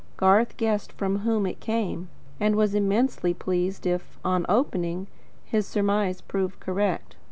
Garth guessed from whom it came, and was immensely pleased if, on opening, his surmise proved correct.